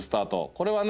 これはね